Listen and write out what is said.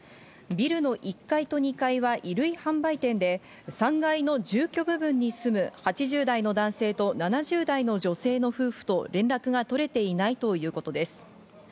ビルの１階と２階は衣類販売店で、３階の住居部分に住む８０代の男性と７０代の女性の夫婦と連絡が取れていないということです。